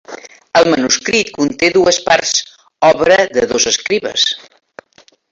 El manuscrit conté dues parts, obra de dos escribes.